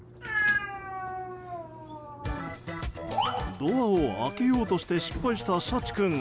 ドアを開けようとして失敗したしゃち君。